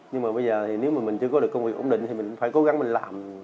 nhưng mà bây giờ thì nếu mà mình chưa có được công việc ổn định thì mình cũng phải cố gắng mình làm